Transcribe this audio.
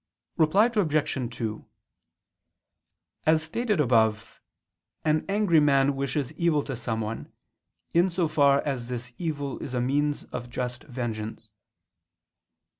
Reply Obj. 2: As stated above, an angry man wishes evil to someone, in so far as this evil is a means of just vengeance.